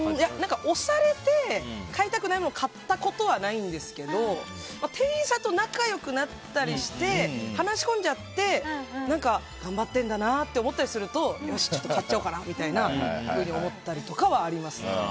推されて買いたくないものを買ったことはないんですけど店員さんと仲良くなったりして話し込んじゃって頑張ってるんだなと思ったりするとよし、買っちゃおうかなみたいに思ったりとかはあります。